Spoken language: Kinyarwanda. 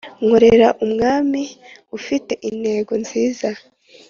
nkorera umwami ufite intego nziza